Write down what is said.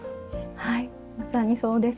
まさにそうです。